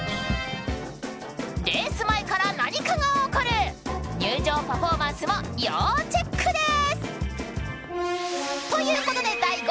レース前から何かが起こる入場パフォーマンスも要チェックです。